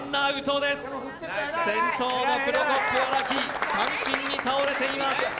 先頭のクロコップ・荒木、三振に倒れています。